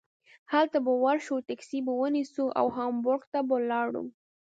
هلته به ور شو ټکسي به ونیسو او هامبورګ ته به لاړو.